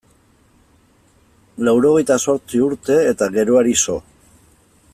Laurogehita zortzi urte eta geroari so.